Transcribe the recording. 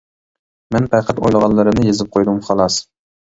مەن پەقەت ئويلىغانلىرىمنى يېزىپ قويدۇم خالاس.